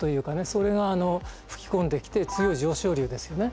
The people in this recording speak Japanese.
それが吹き込んできて強い上昇流ですよね。